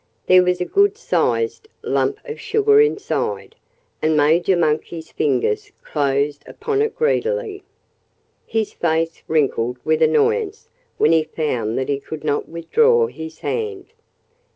There was a good sized lump of sugar inside. And Major Monkey's fingers closed upon it greedily. His queer face wrinkled with annoyance when he found that he could not withdraw his hand.